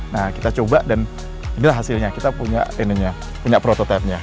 nah kita coba dan inilah hasilnya kita punya ini punya prototipe nya